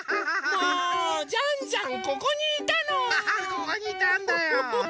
ここにいたんだよ。